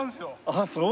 あっそう。